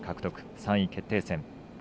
３位決定戦。